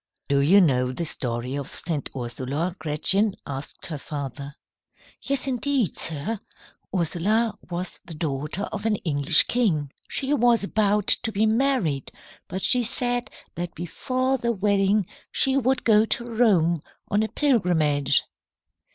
"Do you know the story of St. Ursula, Gretchen?" asked her father. "Yes, indeed, sir. Ursula was the daughter of an English king. She was about to be married, but she said that before the wedding she would go to Rome on a pilgrimage.